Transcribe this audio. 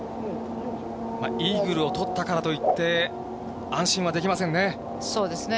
イーグルを取ったからといって、安心はできませんね。